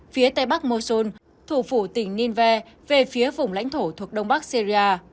phía tây bắc mosul thủ phủ tỉnh nineveh về phía vùng lãnh thổ thuộc đông bắc syria